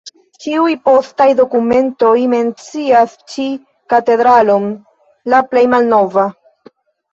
Ĉiuj postaj dokumentoj mencias ĉi katedralon la plej malnova.